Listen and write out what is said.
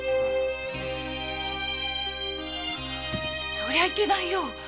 そりゃいけないよ。